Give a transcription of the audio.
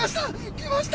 来ました！